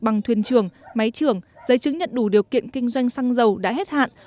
bằng thuyền trường máy trưởng giấy chứng nhận đủ điều kiện kinh doanh xăng dầu đã hết hạn